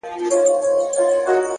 لوړ لید د امکاناتو شمېر زیاتوي؛